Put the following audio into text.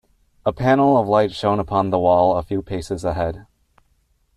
A panel of light shone upon the wall a few paces ahead.